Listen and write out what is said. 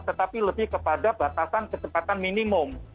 tetapi lebih kepada batasan kecepatan minimum